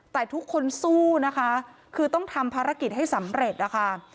แต่ทุกคนสู้นะคะคือต้องทำภารกิจให้สำเร็จนะคะ